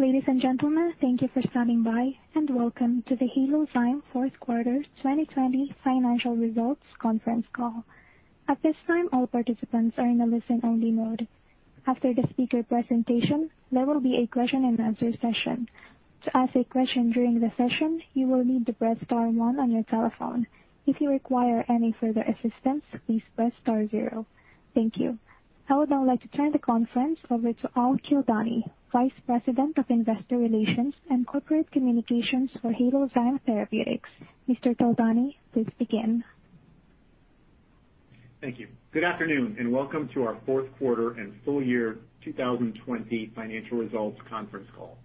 Ladies and gentlemen, thank you for stopping by, and welcome to the Halozyme Fourth Quarter 2020 Financial Results Conference Call. At this time, all participants are in a listen-only mode. After the speaker presentation, there will be a question-and-answer session. To ask a question during the session, you will need to press star one on your telephone. If you require any further assistance, please press star zero. Thank you. I would now like to turn the conference over to Al Kildani, Vice President of Investor Relations and Corporate Communications for Halozyme Therapeutics. Mr. Kildani, please begin. Thank you. Good afternoon, and welcome to our Fourth Quarter and Full Year 2020 Financial Results Conference Call.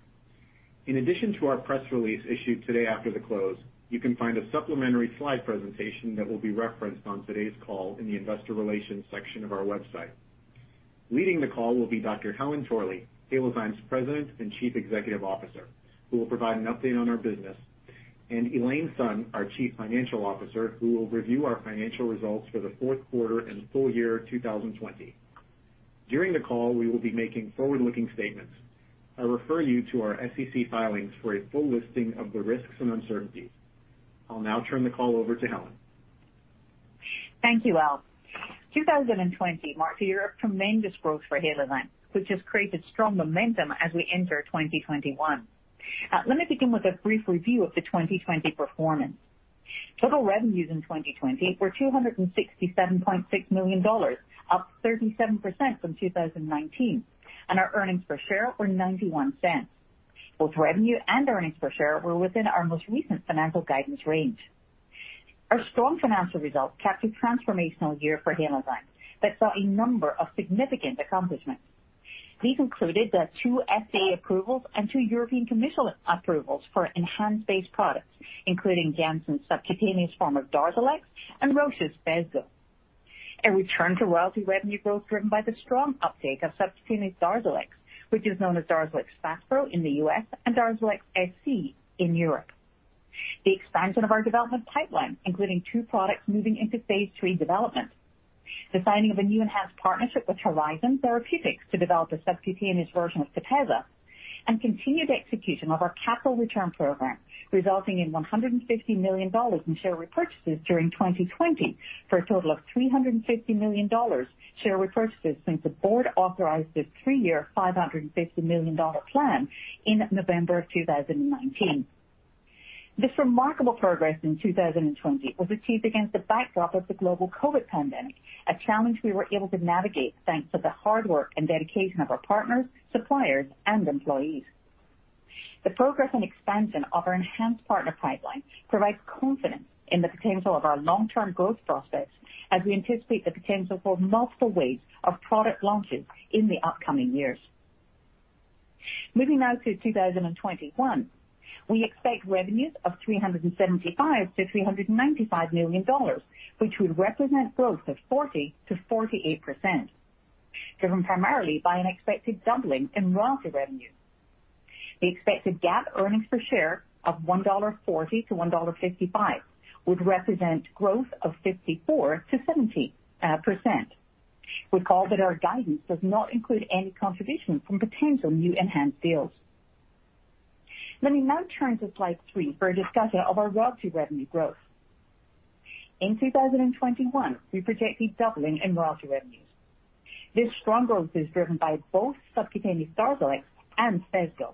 In addition to our press release issued today after the close, you can find a supplementary slide presentation that will be referenced on today's call in the Investor Relations section of our website. Leading the call will be Dr. Helen Torley, Halozyme's President and Chief Executive Officer, who will provide an update on our business, and Elaine Sun, our Chief Financial Officer, who will review our financial results for the Fourth Quarter and Full Year 2020. During the call, we will be making forward-looking statements. I refer you to our SEC filings for a full listing of the risks and uncertainties. I'll now turn the call over to Helen. Thank you, Al. 2020 marked a year of tremendous growth for Halozyme, which has created strong momentum as we enter 2021. Let me begin with a brief review of the 2020 performance. Total revenues in 2020 were $267.6 million, up 37% from 2019, and our earnings per share were $0.91. Both revenue and earnings per share were within our most recent financial guidance range. Our strong financial results capped a transformational year for Halozyme that saw a number of significant accomplishments. These included the two FDA approvals and two European Commission approvals for ENHANZE-based products, including Janssen's subcutaneous form of Darzalex and Roche's Phesgo. A return to royalty revenue growth driven by the strong uptake of subcutaneous Darzalex, which is known as Darzalex Faspro in the U.S. and Darzalex SC in Europe. The expansion of our development pipeline, including two products moving into Phase III development. The signing of a new ENHANZE partnership with Horizon Therapeutics to develop a subcutaneous version of Tepezza, and continued execution of our capital return program, resulting in $150 million in share repurchases during 2020 for a total of $350 million share repurchases since the board authorized the three-year $550 million plan in November of 2019. This remarkable progress in 2020 was achieved against the backdrop of the global COVID pandemic, a challenge we were able to navigate thanks to the hard work and dedication of our partners, suppliers, and employees. The progress and expansion of our ENHANZE partner pipeline provides confidence in the potential of our long-term growth prospects as we anticipate the potential for multiple waves of product launches in the upcoming years. Moving now to 2021, we expect revenues of $375 million-$395 million, which would represent growth of 40%-48%, driven primarily by an expected doubling in royalty revenue. The expected GAAP earnings per share of $1.40-$1.55 would represent growth of 54%-70%. Recall that our guidance does not include any contribution from potential new ENHANZE deals. Let me now turn to Slide 3 for a discussion of our royalty revenue growth. In 2021, we projected doubling in royalty revenues. This strong growth is driven by both subcutaneous Darzalex and Phesgo.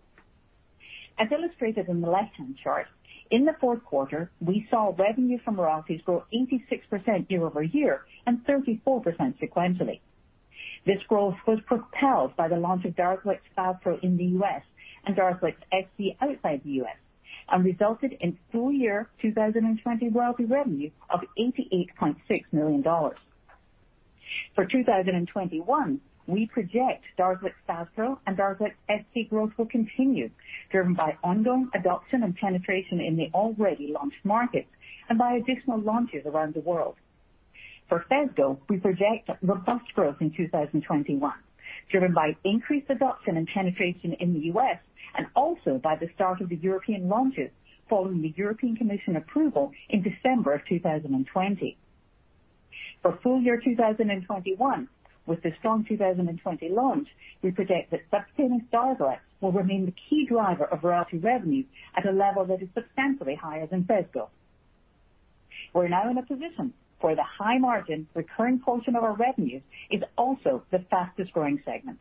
As illustrated in the left-hand chart, in the Fourth Quarter, we saw revenue from royalties grow 86% year-over-year and 34% sequentially. This growth was propelled by the launch of Darzalex Faspro in the U.S. and Darzalex SC outside the U.S., and resulted in full year 2020 royalty revenue of $88.6 million. For 2021, we project Darzalex Faspro and Darzalex SC growth will continue, driven by ongoing adoption and penetration in the already launched markets and by additional launches around the world. For Phesgo, we project robust growth in 2021, driven by increased adoption and penetration in the U.S., and also by the start of the European launches following the European Commission approval in December of 2020. For full year 2021, with the strong 2020 launch, we project that subcutaneous Darzalex will remain the key driver of royalty revenue at a level that is substantially higher than Phesgo. We're now in a position where the high-margin recurring portion of our revenues is also the fastest-growing segment.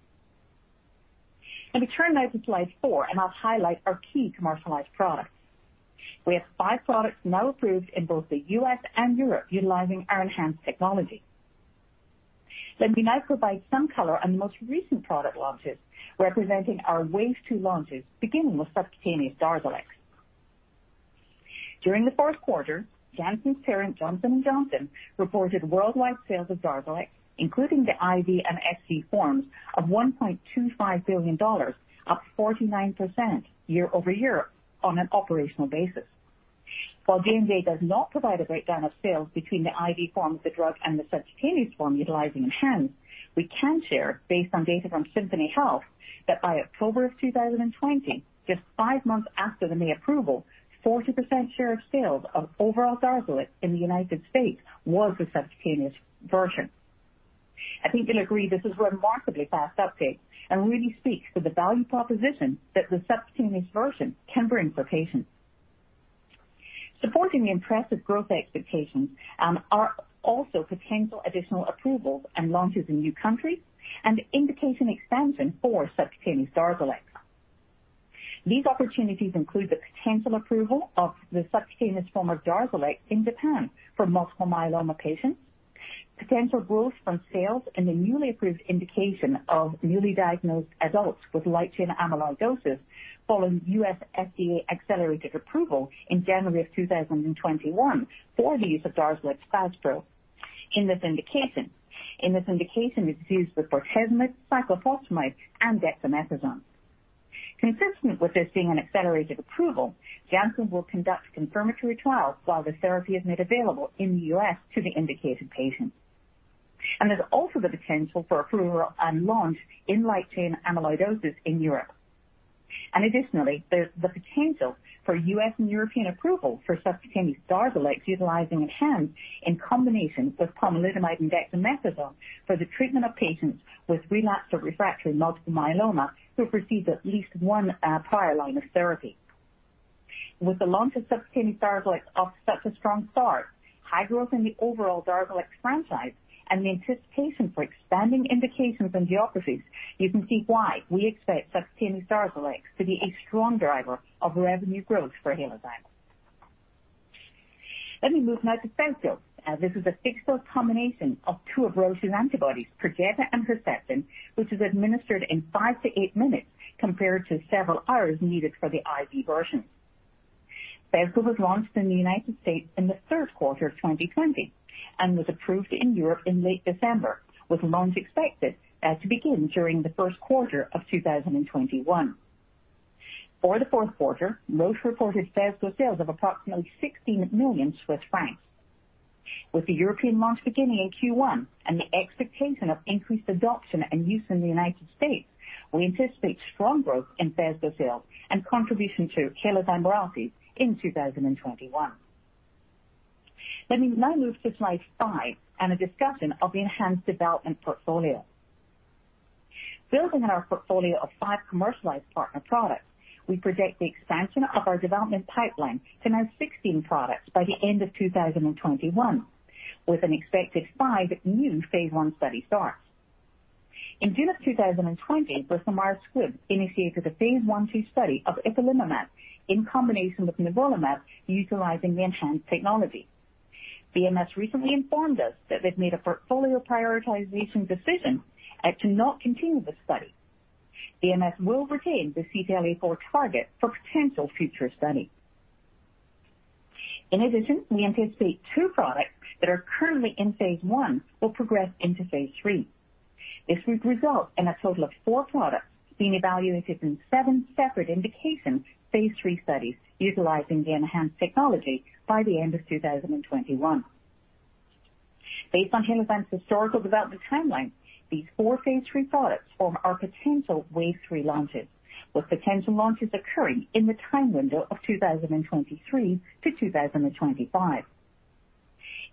Let me turn now to Slide 4, and I'll highlight our key commercialized products. We have five products now approved in both the U.S. and Europe utilizing our ENHANZE technology. Let me now provide some color on the most recent product launches, representing our wave two launches, beginning with subcutaneous Darzalex. During the Fourth Quarter, Janssen's parent, Johnson & Johnson, reported worldwide sales of Darzalex, including the IV and SC forms, of $1.25 billion, up 49% year-over-year on an operational basis. While J&J does not provide a breakdown of sales between the IV form of the drug and the subcutaneous form utilizing ENHANZE, we can share, based on data from Symphony Health, that by October of 2020, just five months after the May approval, a 40% share of sales of overall Darzalex in the United States was the subcutaneous version. I think you'll agree this is a remarkably fast uptake and really speaks to the value proposition that the subcutaneous version can bring for patients. Supporting the impressive growth expectations are also potential additional approvals and launches in new countries and indication expansion for subcutaneous Darzalex. These opportunities include the potential approval of the subcutaneous form of Darzalex in Japan for multiple myeloma patients, potential growth from sales in the newly approved indication of newly diagnosed adults with light chain amyloidosis following U.S. FDA accelerated approval in January of 2021 for the use of Darzalex Faspro in this indication. In this indication, it's used with bortezomib, cyclophosphamide, and dexamethasone. Consistent with this being an accelerated approval, Janssen will conduct confirmatory trials while the therapy is made available in the U.S. to the indicated patients, and there's also the potential for approval and launch in light chain amyloidosis in Europe. Additionally, there's the potential for U.S. and European approval for subcutaneous Darzalex utilizing ENHANZE in combination with pomalidomide and dexamethasone for the treatment of patients with relapsed or refractory multiple myeloma who have received at least one prior line of therapy. With the launch of subcutaneous Darzalex off such a strong start, high growth in the overall Darzalex franchise, and the anticipation for expanding indications and geographies, you can see why we expect subcutaneous Darzalex to be a strong driver of revenue growth for Halozyme. Let me move now to Phesgo. This is a fixed-dose combination of two of Roche's antibodies, Perjeta and Herceptin, which is administered in five to eight minutes compared to several hours needed for the IV version. Phesgo was launched in the United States in the third quarter of 2020 and was approved in Europe in late December, with launch expected to begin during the first quarter of 2021. For the fourth quarter, Roche reported Phesgo sales of approximately 16 million Swiss francs. With the European launch beginning in Q1 and the expectation of increased adoption and use in the United States, we anticipate strong growth in Phesgo sales and contribution to Halozyme royalties in 2021. Let me now move to Slide 5 and a discussion of the ENHANZE development portfolio. Building on our portfolio of five commercialized partner products, we project the expansion of our development pipeline to now 16 products by the end of 2021, with an expected five new Phase I study starts. In June of 2020, Bristol Myers Squibb initiated a Phase I-II study of ipilimumab in combination with nivolumab utilizing the ENHANZE technology. BMS recently informed us that they've made a portfolio prioritization decision to not continue the study. BMS will retain the CTLA-4 target for potential future study. In addition, we anticipate two products that are currently in Phase I will progress into Phase III. This would result in a total of four products being evaluated in seven separate indication Phase III studies utilizing the ENHANZE technology by the end of 2021. Based on Halozyme's historical development timeline, these four Phase III products form our potential wave three launches, with potential launches occurring in the time window of 2023-2025.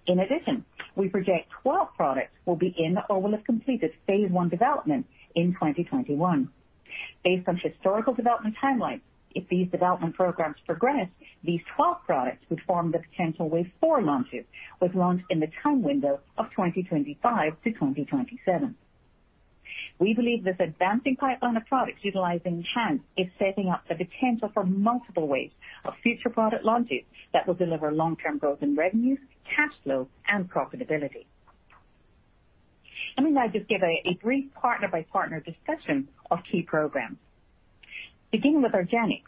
In addition, we project 12 products will begin or will have completed Phase I development in 2021. Based on historical development timeline, if these development programs progress, these 12 products would form the potential wave four launches, with launch in the time window of 2025-2027. We believe this advancing pipeline of products utilizing ENHANZE is setting up the potential for multiple waves of future product launches that will deliver long-term growth in revenues, cash flow, and profitability. Let me now just give a brief partner-by-partner discussion of key programs. Begin with Argenx,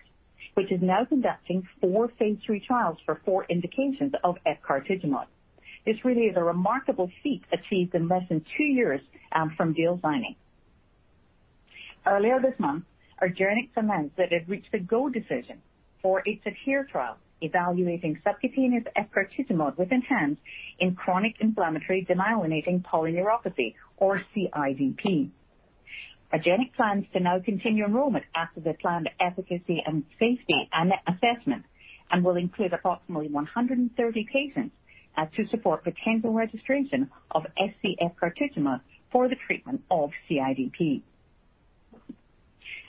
which is now conducting four Phase III trials for four indications of efgartigimod. This really is a remarkable feat achieved in less than two years from deal signing. Earlier this month, Argenx announced that it reached the go-decision for its ADHERE trial evaluating subcutaneous efgartigimod with ENHANZE in chronic inflammatory demyelinating polyneuropathy, or CIDP. Argenx plans to now continue enrollment after their planned efficacy and safety assessment and will include approximately 130 patients to support potential registration of SC efgartigimod for the treatment of CIDP.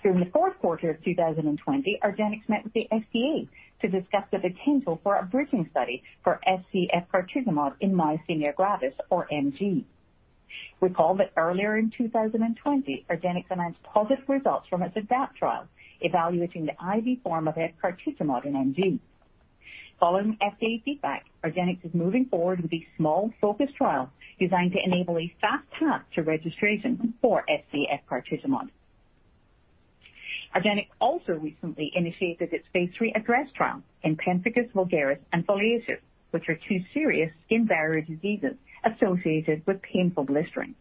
During the fourth quarter of 2020, Argenx met with the FDA to discuss the potential for a bridging study for SC efgartigimod in myasthenia gravis, or MG. Recall that earlier in 2020, Argenx announced positive results from its ADAPT trial evaluating the IV form of efgartigimod in MG. Following FDA feedback, Argenx is moving forward with a small focused trial designed to enable a fast path to registration for SC efgartigimod. Argenx also recently initiated its Phase III ADDRESS trial in pemphigus vulgaris and foliaceus, which are two serious skin barrier diseases associated with painful blistering.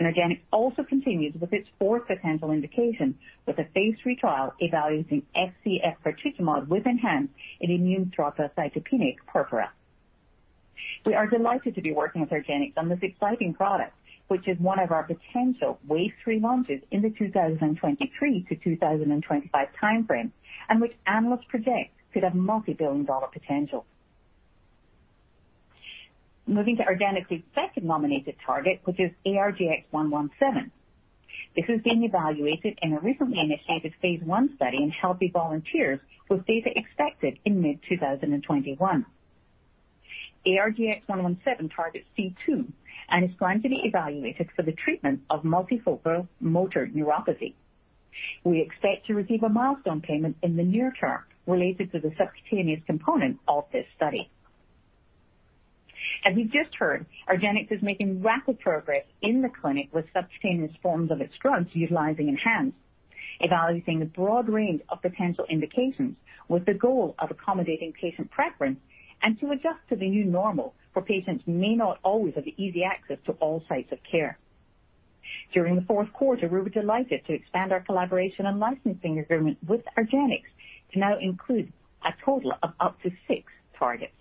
Argenx also continues with its fourth potential indication with a Phase III trial evaluating SC efgartigimod with ENHANZE in immune thrombocytopenic purpura. We are delighted to be working with Argenx on this exciting product, which is one of our potential wave three launches in the 2023-2025 timeframe, and which analysts project could have multi-billion dollar potential. Moving to Argenx's second nominated target, which is ARGX-117. This is being evaluated in a recently initiated Phase I study in healthy volunteers with data expected in mid-2021. ARGX-117 targets C2 and is going to be evaluated for the treatment of multifocal motor neuropathy. We expect to receive a milestone payment in the near term related to the subcutaneous component of this study. As you've just heard, Argenx is making rapid progress in the clinic with subcutaneous forms of its drugs utilizing ENHANZE, evaluating a broad range of potential indications with the goal of accommodating patient preference and to adjust to the new normal for patients who may not always have easy access to all sites of care. During the Fourth Quarter, we were delighted to expand our collaboration and licensing agreement with Argenx to now include a total of up to six targets.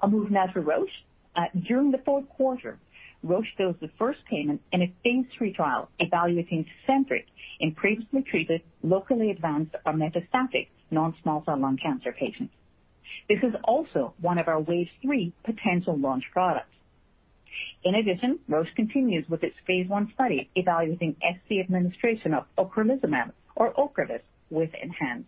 I'll move now to Roche. During the Fourth Quarter, Roche fulfilled the first payment in its Phase III trial evaluating Tecentriq in previously treated locally advanced or metastatic non-small cell lung cancer patients. This is also one of our wave three potential launch products. In addition, Roche continues with its Phase I study evaluating SC administration of ocrelizumab, or Ocrevus, with ENHANZE.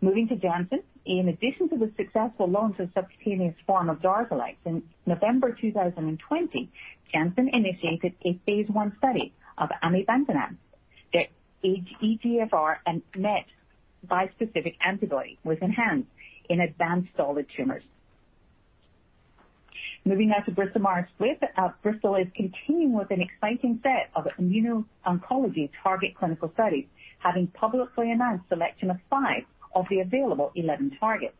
Moving to Janssen. In addition to the successful launch of subcutaneous form of Darzalex in November 2020, Janssen initiated a Phase I study of amivantamab, the EGFR-MET bispecific antibody with ENHANZE in advanced solid tumors. Moving now to Bristol Myers Squibb. Bristol is continuing with an exciting set of immuno-oncology target clinical studies, having publicly announced a selection of five of the available 11 targets.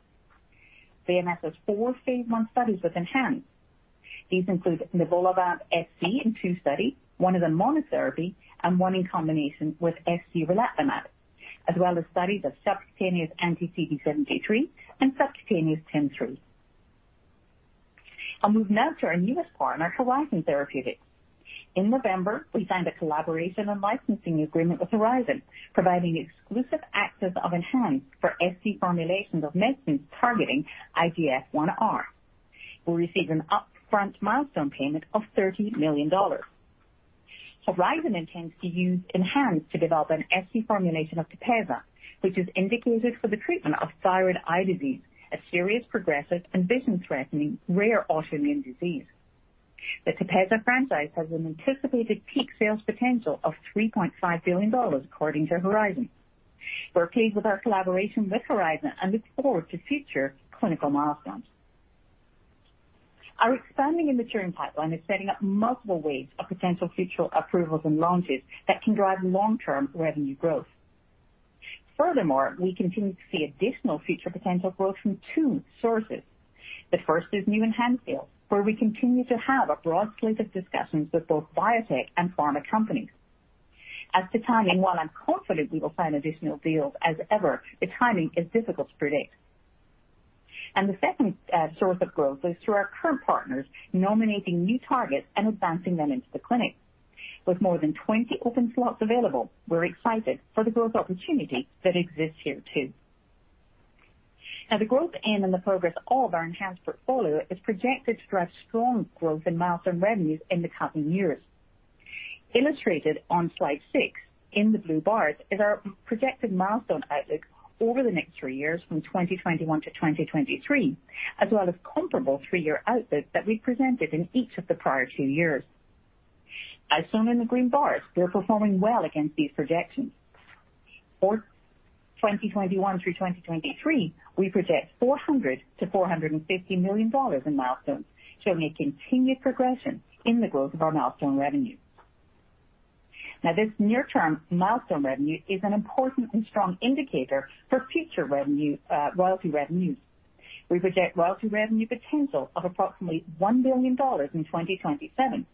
BMS has four Phase I studies with ENHANZE. These include nivolumab SC in two studies, one as a monotherapy and one in combination with SC relatlimab, as well as studies of subcutaneous anti-CD73 and subcutaneous TIM-3. I'll move now to our newest partner, Horizon Therapeutics. In November, we signed a collaboration and licensing agreement with Horizon, providing exclusive access of ENHANZE for SC formulations of medicines targeting IGF-1R. We received an upfront milestone payment of $30 million. Horizon intends to use ENHANZE to develop an SC formulation of Tepezza, which is indicated for the treatment of thyroid eye disease, a serious progressive and vision-threatening rare autoimmune disease. The Tepezza franchise has an anticipated peak sales potential of $3.5 billion, according to Horizon. We're pleased with our collaboration with Horizon and look forward to future clinical milestones. Our expanding and maturing pipeline is setting up multiple waves of potential future approvals and launches that can drive long-term revenue growth. Furthermore, we continue to see additional future potential growth from two sources. The first is new ENHANZE sales, where we continue to have a broad slate of discussions with both biotech and pharma companies. As to timing, while I'm confident we will find additional deals as ever, the timing is difficult to predict. And the second source of growth is through our current partners nominating new targets and advancing them into the clinic. With more than 20 open slots available, we're excited for the growth opportunity that exists here too. Now, the growth and the progress of our ENHANZE portfolio is projected to drive strong growth in milestone revenues in the coming years. Illustrated on Slide 6 in the blue bars is our projected milestone outlook over the next three years from 2021-2023, as well as comparable three-year outlook that we presented in each of the prior two years. As shown in the green bars, we're performing well against these projections. For 2021 through 2023, we project $400 million-$450 million in milestones, showing a continued progression in the growth of our milestone revenue. Now, this near-term milestone revenue is an important and strong indicator for future royalty revenues. We project royalty revenue potential of approximately $1 billion in 2027,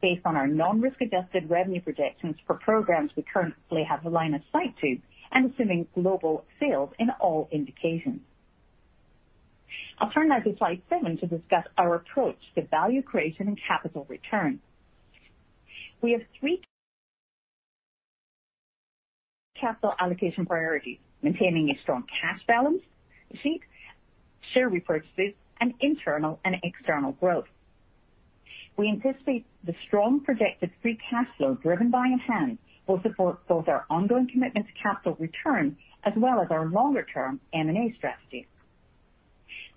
based on our non-risk-adjusted revenue projections for programs we currently have a line of sight to and assuming global sales in all indications. I'll turn now to Slide 7 to discuss our approach to value creation and capital return. We have three capital allocation priorities: maintaining a strong cash balance, share repurchases, and internal and external growth. We anticipate the strong projected free cash flow driven by ENHANZE will support both our ongoing commitment to capital return as well as our longer-term M&A strategy.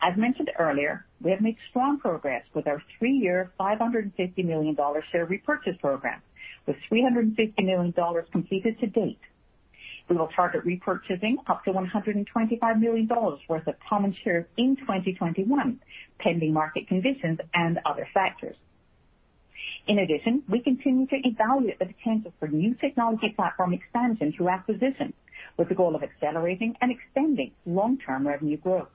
As mentioned earlier, we have made strong progress with our three-year $550 million share repurchase program, with $350 million completed to date. We will target repurchasing up to $125 million worth of common shares in 2021, pending market conditions and other factors. In addition, we continue to evaluate the potential for new technology platform expansion through acquisition, with the goal of accelerating and extending long-term revenue growth.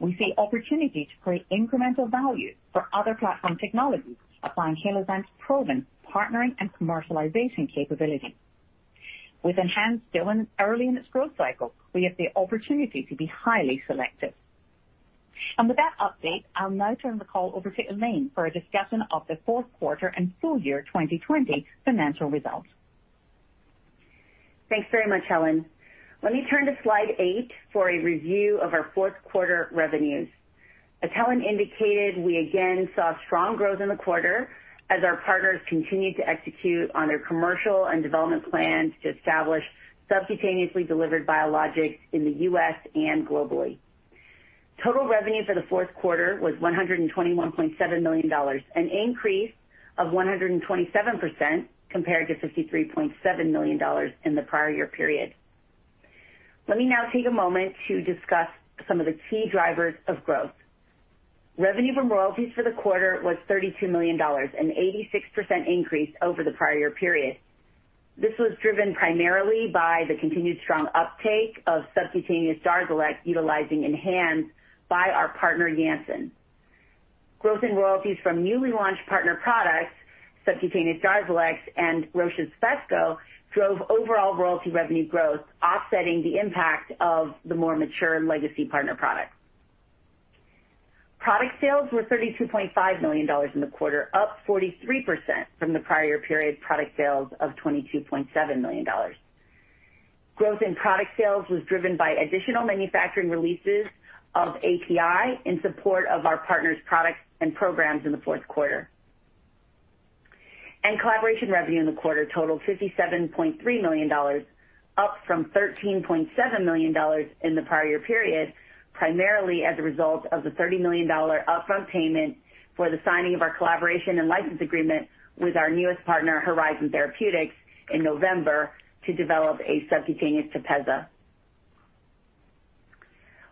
We see opportunity to create incremental value for other platform technologies, applying Halozyme's proven partnering and commercialization capability. With ENHANZE still early in its growth cycle, we have the opportunity to be highly selective. And with that update, I'll now turn the call over to Elaine for a discussion of the fourth quarter and full year 2020 financial results. Thanks very much, Helen. Let me turn to Slide 8 for a review of our fourth quarter revenues. As Helen indicated, we again saw strong growth in the quarter as our partners continued to execute on their commercial and development plans to establish subcutaneously delivered biologics in the U.S. and globally. Total revenue for the Fourth Quarter was $121.7 million, an increase of 127% compared to $53.7 million in the prior year period. Let me now take a moment to discuss some of the key drivers of growth. Revenue from royalties for the quarter was $32 million, an 86% increase over the prior year period. This was driven primarily by the continued strong uptake of subcutaneous Darzalex utilizing ENHANZE by our partner Janssen. Growth in royalties from newly launched partner products, subcutaneous Darzalex and Roche's Phesgo drove overall royalty revenue growth, offsetting the impact of the more mature legacy partner products. Product sales were $32.5 million in the quarter, up 43% from the prior year period product sales of $22.7 million. Growth in product sales was driven by additional manufacturing releases of API in support of our partners' products and programs in the fourth quarter. And collaboration revenue in the quarter totaled $57.3 million, up from $13.7 million in the prior year period, primarily as a result of the $30 million upfront payment for the signing of our collaboration and license agreement with our newest partner, Horizon Therapeutics, in November to develop a subcutaneous Tepezza.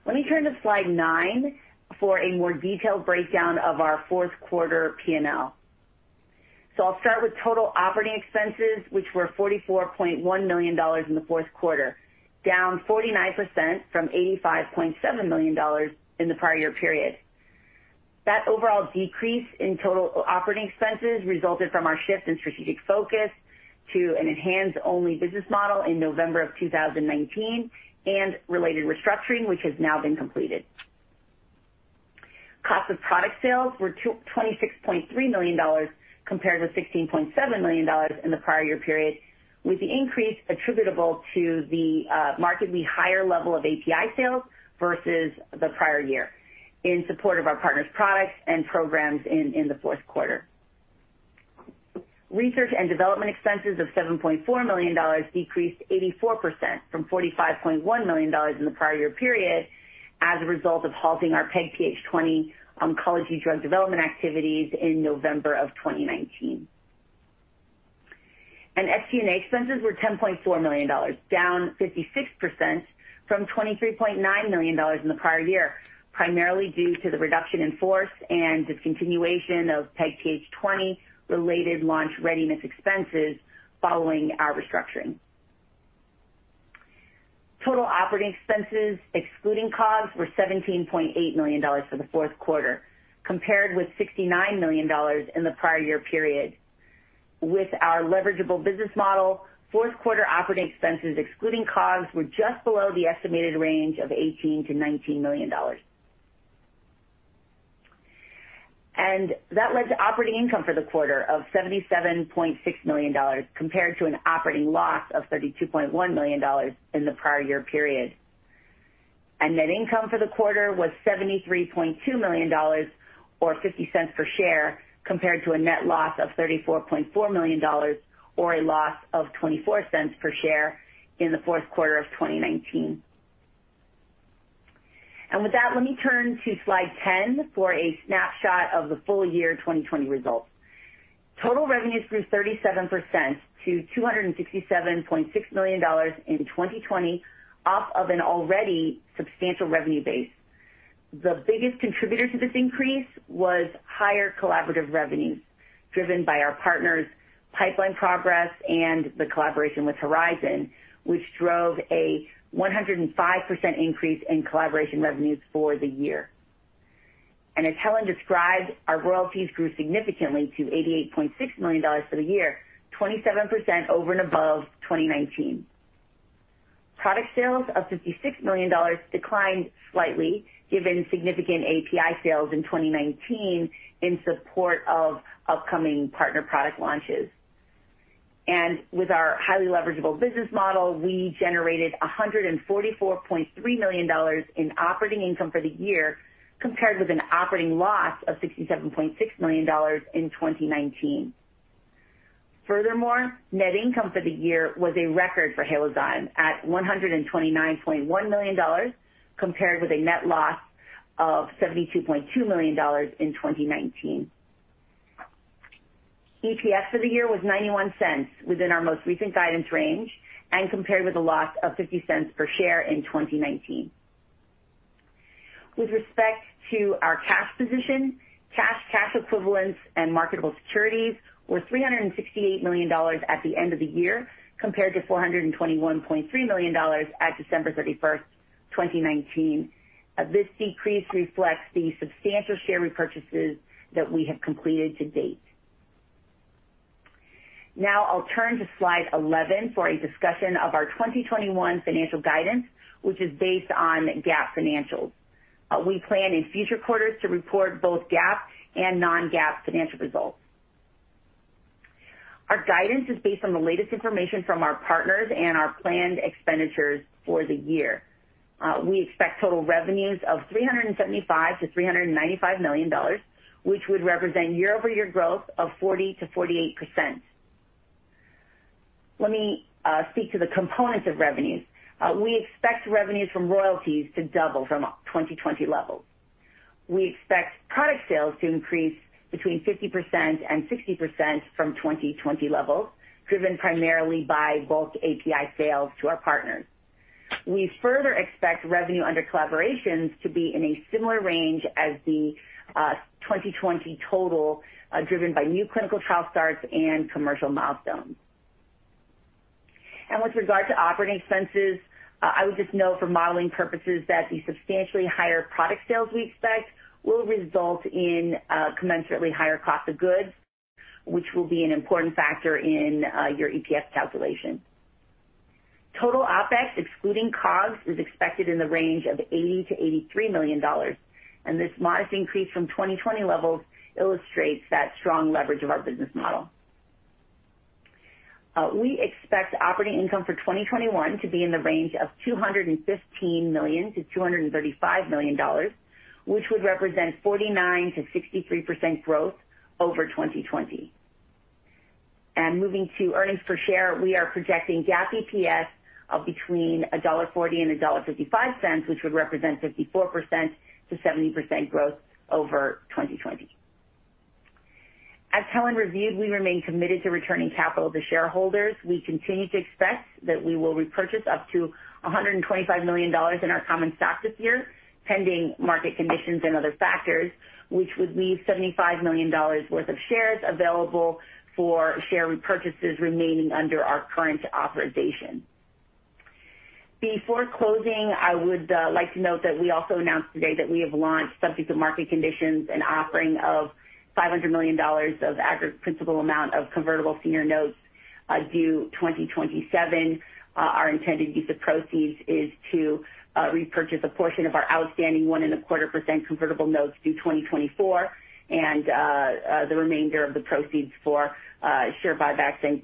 Let me turn to Slide 9 for a more detailed breakdown of our Fourth Quarter P&L. So I'll start with total operating expenses, which were $44.1 million in the Fourth Quarter, down 49% from $85.7 million in the prior year period. That overall decrease in total operating expenses resulted from our shift in strategic focus to an ENHANZE-only business model in November of 2019 and related restructuring, which has now been completed. Cost of product sales were $26.3 million compared with $16.7 million in the prior year period, with the increase attributable to the markedly higher level of API sales versus the prior year in support of our partners' products and programs in the fourth quarter. Research and development expenses of $7.4 million decreased 84% from $45.1 million in the prior year period as a result of halting our PEGPH20 oncology drug development activities in November of 2019. SG&A expenses were $10.4 million, down 56% from $23.9 million in the prior year, primarily due to the reduction in force and discontinuation of PEGPH20 related launch readiness expenses following our restructuring. Total operating expenses excluding costs were $17.8 million for the fourth quarter, compared with $69 million in the prior year period. With our leverageable business model, fourth quarter operating expenses excluding costs were just below the estimated range of $18 million-$19 million. That led to operating income for the quarter of $77.6 million compared to an operating loss of $32.1 million in the prior year period. Net income for the quarter was $73.2 million or $0.50 per share, compared to a net loss of $34.4 million or a loss of $0.24 per share in the fourth quarter of 2019. With that, let me turn to Slide 10 for a snapshot of the full year 2020 results. Total revenues grew 37% to $267.6 million in 2020, off of an already substantial revenue base. The biggest contributor to this increase was higher collaborative revenues driven by our partners' pipeline progress and the collaboration with Horizon, which drove a 105% increase in collaboration revenues for the year. As Helen described, our royalties grew significantly to $88.6 million for the year, 27% over and above 2019. Product sales of $56 million declined slightly, given significant API sales in 2019 in support of upcoming partner product launches. With our highly leverageable business model, we generated $144.3 million in operating income for the year, compared with an operating loss of $67.6 million in 2019. Furthermore, net income for the year was a record for Halozyme at $129.1 million, compared with a net loss of $72.2 million in 2019. EPS for the year was $0.91 within our most recent guidance range and compared with a loss of $0.50 per share in 2019. With respect to our cash position, cash, cash equivalents, and marketable securities were $368 million at the end of the year, compared to $421.3 million at December 31st, 2019. This decrease reflects the substantial share repurchases that we have completed to date. Now, I'll turn to Slide 11 for a discussion of our 2021 financial guidance, which is based on GAAP financials. We plan in future quarters to report both GAAP and non-GAAP financial results. Our guidance is based on the latest information from our partners and our planned expenditures for the year. We expect total revenues of $375 million-$395 million, which would represent year-over-year growth of 40%-48%. Let me speak to the components of revenues. We expect revenues from royalties to double from 2020 levels. We expect product sales to increase between 50% and 60% from 2020 levels, driven primarily by bulk API sales to our partners. We further expect revenue under collaborations to be in a similar range as the 2020 total, driven by new clinical trial starts and commercial milestones. With regard to operating expenses, I would just note for modeling purposes that the substantially higher product sales we expect will result in a commensurately higher cost of goods, which will be an important factor in your EPS calculation. Total OpEx, excluding COGS, is expected in the range of $80 million-$83 million. This modest increase from 2020 levels illustrates that strong leverage of our business model. We expect operating income for 2021 to be in the range of $215 million-$235 million, which would represent 49%-63% growth over 2020. Moving to earnings per share, we are projecting GAAP EPS of between $1.40 and $1.55, which would represent 54%-70% growth over 2020. As Helen reviewed, we remain committed to returning capital to shareholders. We continue to expect that we will repurchase up to $125 million in our common stock this year, pending market conditions and other factors, which would leave $75 million worth of shares available for share repurchases remaining under our current authorization. Before closing, I would like to note that we also announced today that we have launched subject to market conditions an offering of $500 million of aggregate principal amount of convertible senior notes due 2027. Our intended use of proceeds is to repurchase a portion of our outstanding 1.25% convertible notes due 2024 and the remainder of the proceeds for share buybacks and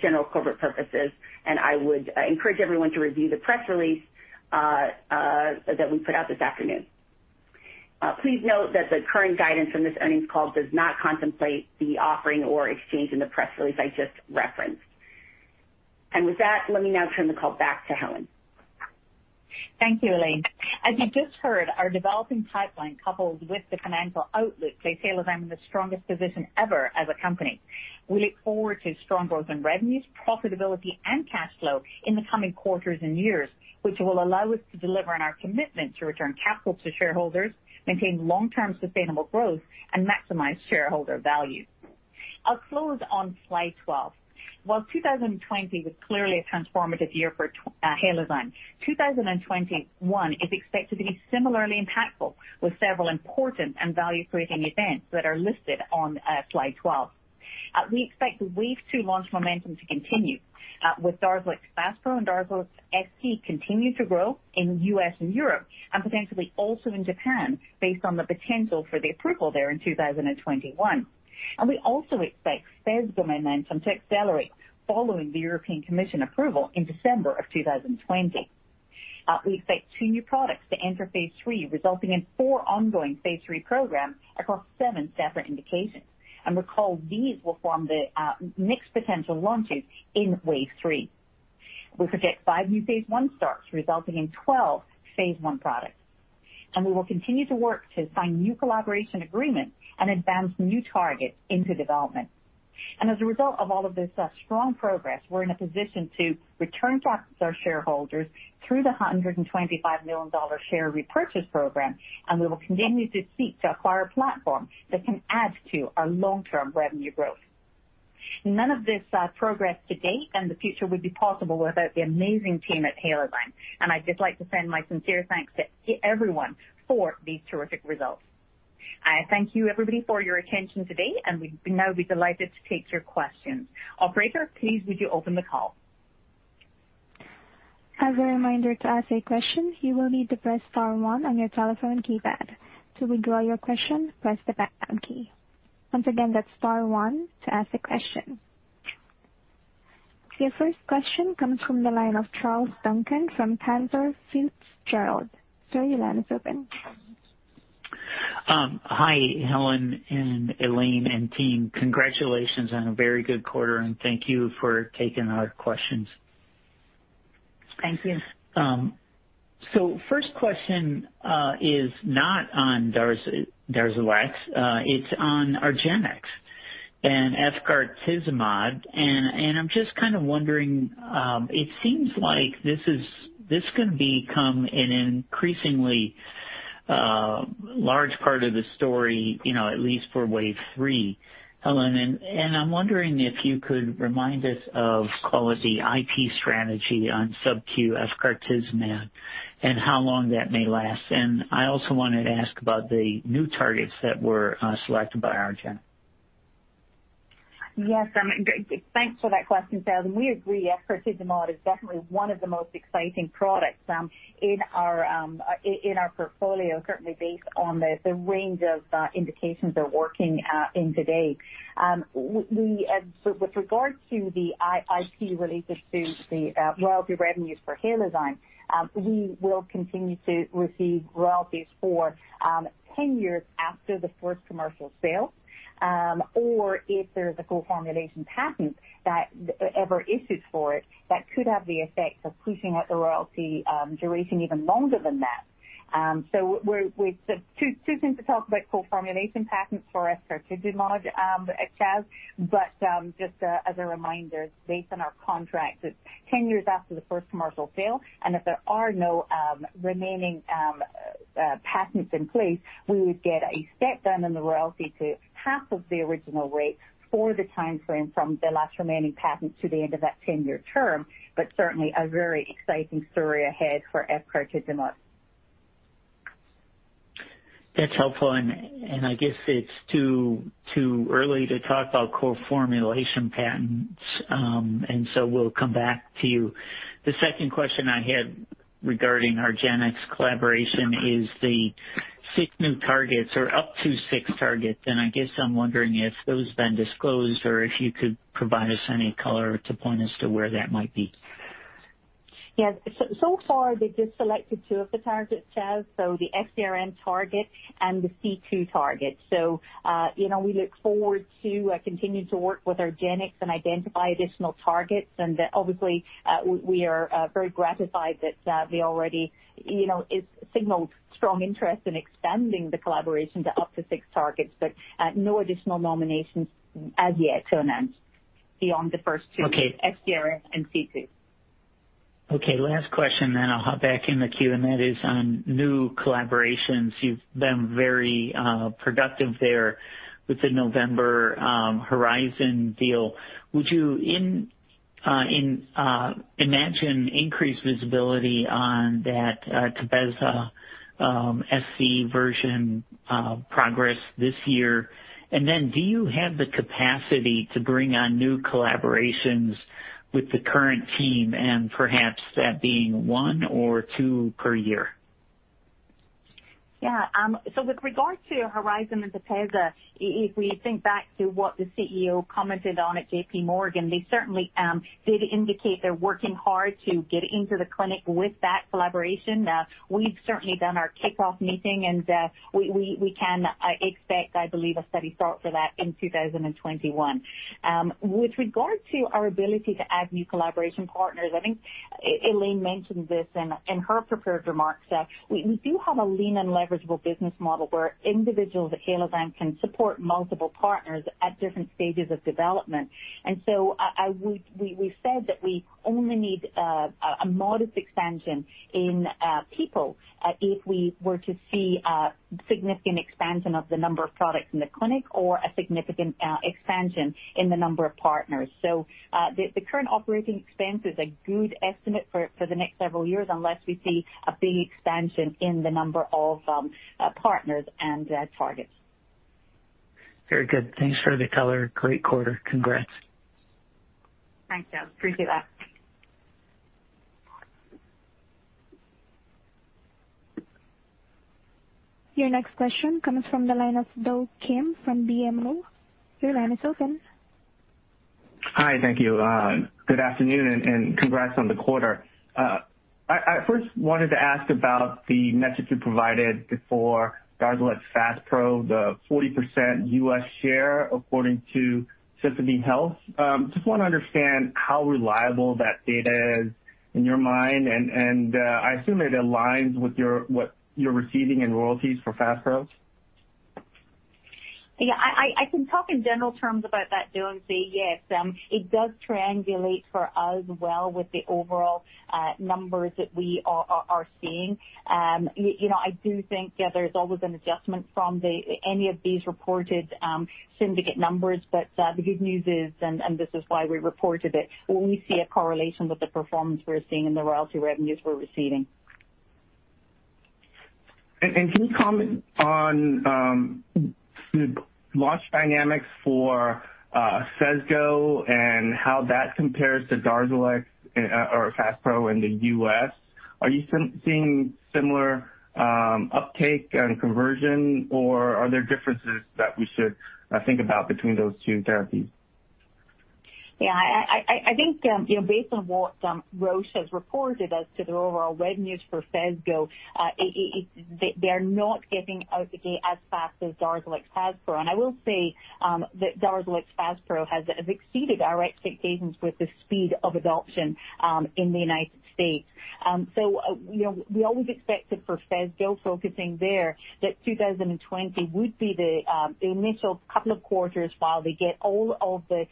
general corporate purposes, and I would encourage everyone to review the press release that we put out this afternoon. Please note that the current guidance from this earnings call does not contemplate the offering or exchange in the press release I just referenced. And with that, let me now turn the call back to Helen. Thank you, Elaine. As you just heard, our developing pipeline coupled with the financial outlook places Halozyme in the strongest position ever as a company. We look forward to strong growth in revenues, profitability, and cash flow in the coming quarters and years, which will allow us to deliver on our commitment to return capital to shareholders, maintain long-term sustainable growth, and maximize shareholder value. I'll close on Slide 12. While 2020 was clearly a transformative year for Halozyme, 2021 is expected to be similarly impactful with several important and value-creating events that are listed on Slide 12. We expect the wave two launch momentum to continue with Darzalex SC and Darzalex SC continuing to grow in the U.S. and Europe and potentially also in Japan based on the potential for the approval there in 2021. We also expect Phesgo momentum to accelerate following the European Commission approval in December of 2020. We expect two new products to enter Phase III, resulting in four ongoing Phase III programs across seven separate indications. Recall, these will form the next potential launches in Wave 3. We project five new Phase I starts resulting in 12 Phase I products. We will continue to work to sign new collaboration agreements and advance new targets into development. As a result of all of this strong progress, we're in a position to return capital to our shareholders through the $125 million share repurchase program. We will continue to seek to acquire a platform that can add to our long-term revenue growth. None of this progress to date and the future would be possible without the amazing team at Halozyme. And I'd just like to send my sincere thanks to everyone for these terrific results. I thank you, everybody, for your attention today. And we'd now be delighted to take your questions. Operator, please would you open the call? As a reminder to ask a question, you will need to press star one on your telephone keypad. To withdraw your question, press the pound key. Once again, that's star one to ask a question. Your first question comes from the line of Charles Duncan from Cantor Fitzgerald. Sir, your line is open. Hi, Helen and Elaine and team. Congratulations on a very good quarter, and thank you for taking our questions. Thank you. So first question is not on Darzalex. It's on Argenx and efgartigimod. I'm just kind of wondering, it seems like this is going to become an increasingly large part of the story, at least for Wave 3, Helen. And I'm wondering if you could remind us of, call it the IP strategy on SubQ efgartigimod and how long that may last. And I also wanted to ask about the new targets that were selected by Argenx. Yes, thanks for that question, Charles. And we agree efgartigimod is definitely one of the most exciting products in our portfolio, certainly based on the range of indications they're working in today. With regard to the IP related to the royalty revenues for Halozyme, we will continue to receive royalties for 10 years after the first commercial sale. Or if there is a co-formulation patent that ever issued for it, that could have the effect of pushing out the royalty duration even longer than that. So it's too soon to talk about co-formulation patents for efgartigimod sales. But just as a reminder, based on our contract, it's 10 years after the first commercial sale. And if there are no remaining patents in place, we would get a step down in the royalty to half of the original rate for the timeframe from the last remaining patent to the end of that 10-year term. But certainly a very exciting story ahead for efgartigimod. That's helpful. And I guess it's too early to talk about co-formulation patents. And so we'll come back to you. The second question I had regarding Argenx collaboration is the six new targets or up to six targets. And I guess I'm wondering if those have been disclosed or if you could provide us any color to point us to where that might be. Yeah, so far they've just selected two of the targets. So the FcRn target and the C2 target. So we look forward to continuing to work with Argenx and identify additional targets. And obviously, we are very gratified that they already signaled strong interest in expanding the collaboration to up to six targets. But no additional nominations as yet to announce beyond the first two, FcRn and C2. Okay, last question then I'll hop back in the queue. And that is on new collaborations. You've been very productive there with the November Horizon deal. Would you imagine increased visibility on that Tepezza SC version progress this year? And then do you have the capacity to bring on new collaborations with the current team? And perhaps that being one or two per year. Yeah, so with regard to Horizon and Tepezza, if we think back to what the CEO commented on at JPMorgan, they certainly did indicate they're working hard to get into the clinic with that collaboration. We've certainly done our kickoff meeting. And we can expect, I believe, a steady start for that in 2021. With regard to our ability to add new collaboration partners, I think Elaine mentioned this in her prepared remarks. We do have a lean and leverageable business model where individuals at Halozyme can support multiple partners at different stages of development. And so we've said that we only need a modest expansion in people if we were to see significant expansion of the number of products in the clinic or a significant expansion in the number of partners. So the current operating expense is a good estimate for the next several years unless we see a big expansion in the number of partners and targets. Very good. Thanks for the color. Great quarter. Congrats. Thanks, Charles. Appreciate that. Your next question comes from the line of Do Kim from BMO. Your line is open. Hi, thank you. Good afternoon and congrats on the quarter. I first wanted to ask about the metric you provided for Darzalex Faspro, the 40% U.S. share according to Symphony Health. Just want to understand how reliable that data is in your mind. And I assume it aligns with what you're receiving in royalties for Faspro? Yeah, I can talk in general terms about that. Yes, it does triangulate for us well with the overall numbers that we are seeing. I do think there's always an adjustment from any of these reported syndicate numbers. But the good news is, and this is why we reported it, we see a correlation with the performance we're seeing in the royalty revenues we're receiving. And can you comment on the launch dynamics for Phesgo and how that compares to Darzalex or Faspro in the U.S.? Are you seeing similar uptake and conversion? Or are there differences that we should think about between those two therapies? Yeah, I think based on what Roche has reported as to the overall revenues for Phesgo, they're not getting out as fast as Darzalex Faspro. And I will say that Darzalex Faspro has exceeded our expectations with the speed of adoption in the United States. So we always expected for Phesgo focusing there that 2020 would be the initial couple of quarters while they get all of the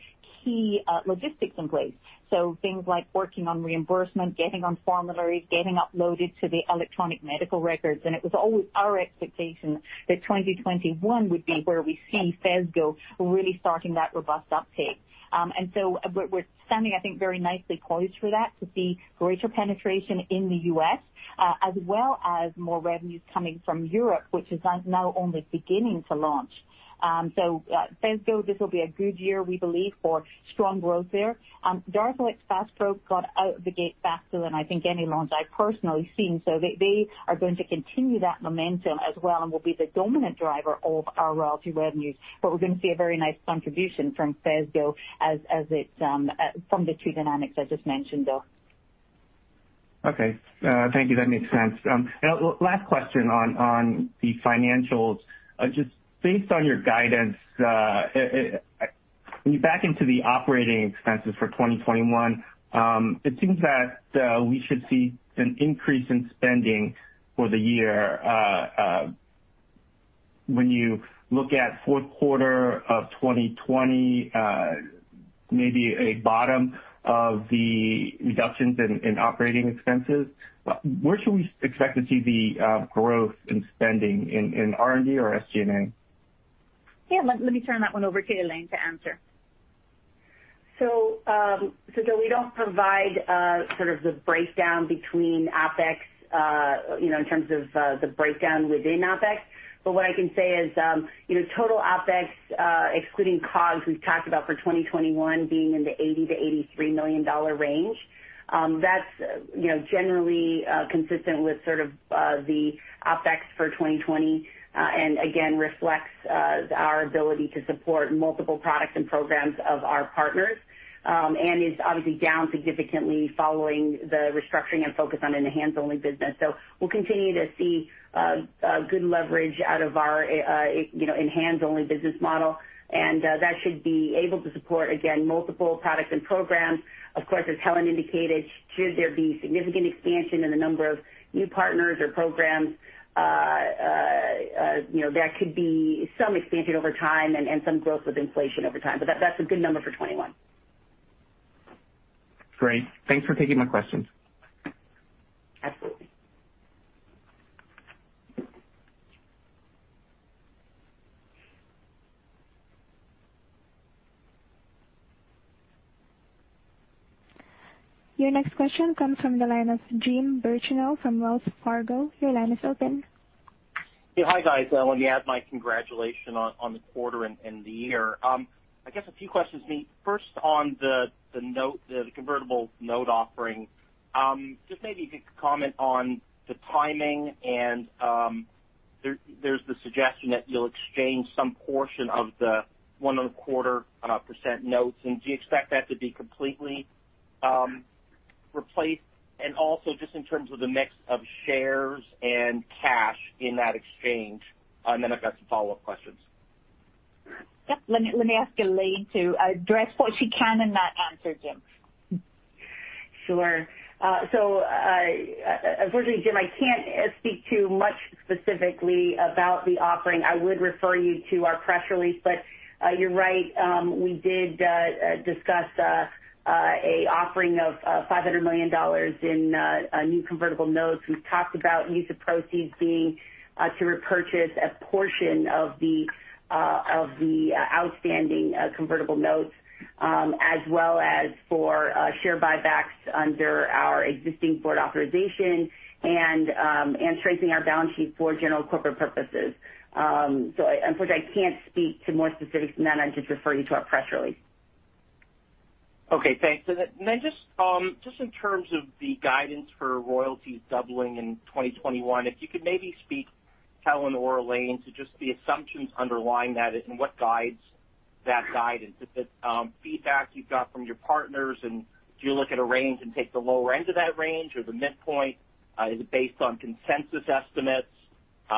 key logistics in place. So things like working on reimbursement, getting on formularies, getting uploaded to the electronic medical records. And it was always our expectation that 2021 would be where we see Phesgo really starting that robust uptake. And so we're standing, I think, very nicely poised for that to see greater penetration in the U.S. as well as more revenues coming from Europe, which is now only beginning to launch. So Phesgo, this will be a good year, we believe, for strong growth there. Darzalex Faspro got out of the gate faster than I think any launch I've personally seen. So they are going to continue that momentum as well and will be the dominant driver of our royalty revenues. But we're going to see a very nice contribution from Phesgo from the two dynamics I just mentioned though. Okay, thank you. That makes sense. Last question on the financials. Just based on your guidance, back into the operating expenses for 2021, it seems that we should see an increase in spending for the year. When you look at fourth quarter of 2020, maybe a bottom of the reductions in operating expenses. Where should we expect to see the growth in spending in R&D or SG&A? Yeah, let me turn that one over to Elaine to answer. So we don't provide sort of the breakdown between OpEx in terms of the breakdown within OpEx. But what I can say is total OpEx, excluding COGS, we've talked about for 2021 being in the $80 million-$83 million range. That's generally consistent with sort of the OpEx for 2020. And again, reflects our ability to support multiple products and programs of our partners. And it's obviously down significantly following the restructuring and focus on an ENHANZE-only business. So we'll continue to see good leverage out of our ENHANZE-only business model. And that should be able to support, again, multiple products and programs. Of course, as Helen indicated, should there be significant expansion in the number of new partners or programs, that could be some expansion over time and some growth with inflation over time. But that's a good number for 2021. Great. Thanks for taking my questions. Absolutely. Your next question comes from the line of Jim Birchenough from Wells Fargo. Your line is open. Hey, hi guys. I wanted to add my congratulations on the quarter and the year. I guess a few questions for me. First, on the convertible note offering, just maybe you could comment on the timing. And there's the suggestion that you'll exchange some portion of the 1.25% notes. And do you expect that to be completely replaced? And also just in terms of the mix of shares and cash in that exchange? And then I've got some follow-up questions. Yep, let me ask Elaine to address what she can in that answer, Jim. Sure. So unfortunately, Jim, I can't speak too much specifically about the offering. I would refer you to our press release. But you're right, we did discuss an offering of $500 million in new convertible notes. We've talked about use of proceeds being to repurchase a portion of the outstanding convertible notes, as well as for share buybacks under our existing board authorization and strengthening our balance sheet for general corporate purposes. So unfortunately, I can't speak to more specifics than that. I'm just referring you to our press release. Okay, thanks. And then just in terms of the guidance for royalties doubling in 2021, if you could maybe speak, Helen or Elaine, to just the assumptions underlying that and what guides that guidance. Is it feedback you've got from your partners? And do you look at a range and take the lower end of that range or the midpoint? Is it based on consensus estimates?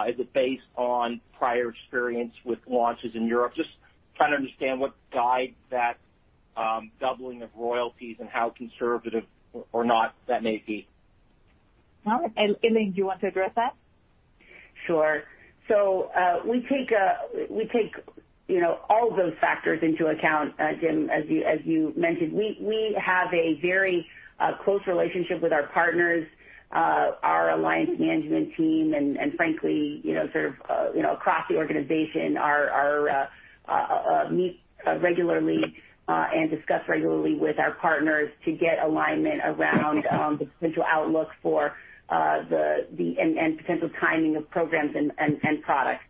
Is it based on prior experience with launches in Europe? Just trying to understand what guides that doubling of royalties and how conservative or not that may be. All right. Elaine, do you want to address that? Sure. So we take all of those factors into account, Jim, as you mentioned. We have a very close relationship with our partners, our alliance management team. And frankly, sort of across the organization, we meet regularly and discuss regularly with our partners to get alignment around the potential outlook for the royalty and potential timing of programs and products.